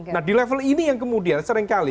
nah di level ini yang kemudian seringkali